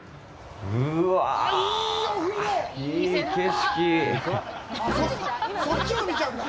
うわぁ、いい景色。